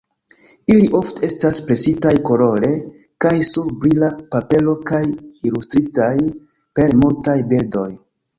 Ili ofte estas presitaj kolore kaj sur brila papero kaj ilustritaj per multaj bildoj.